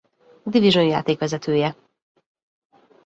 Division játékvezetője.